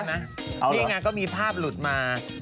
นี่ไงก็มีภาพหลุดมา